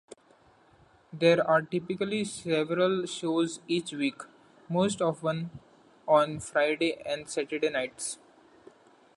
There are typically several shows each week, most often on Friday and Saturday nights.